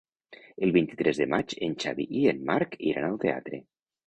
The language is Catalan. El vint-i-tres de maig en Xavi i en Marc iran al teatre.